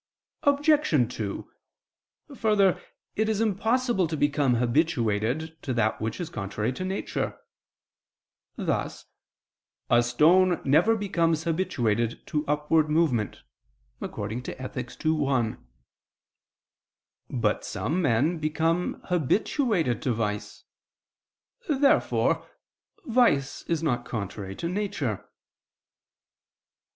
Obj. 2: Further, it is impossible to become habituated to that which is contrary to nature: thus "a stone never becomes habituated to upward movement" (Ethic. ii, 1). But some men become habituated to vice. Therefore vice is not contrary to nature.